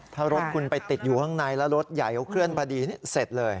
ถ้ารถคุณไปติดอยู่ข้างในแล้วรถใหญ่เขาเคลื่อนพอดีเสร็จเลย